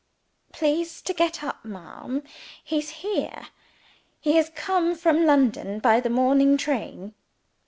"Please to get up, ma'am! He's here he has come from London by the morning train."